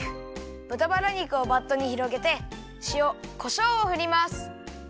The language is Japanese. ぶたバラ肉をバットにひろげてしおこしょうをふります。